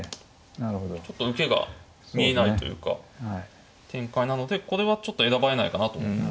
ちょっと受けが見えないというか展開なのでこれはちょっと選ばれないかなと思って。